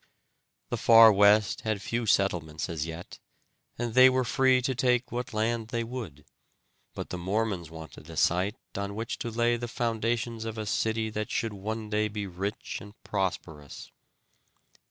The far west had few settlements as yet, and they were free to take what land they would, but the Mormons wanted a site on which to lay the foundations of a city that should one day be rich and prosperous.